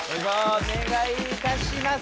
お願いいたします